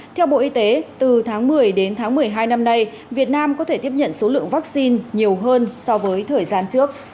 theo bộ y tế từ tháng một mươi đến tháng một mươi hai năm nay việt nam có thể tiếp nhận số lượng vaccine nhiều hơn so với thời gian trước